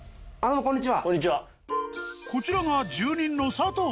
こんにちは。